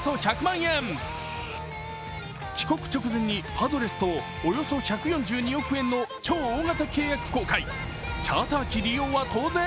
帰国直前にパドレスとおよそ１４０億円で契約を更新とあってチャーター機利用は当然？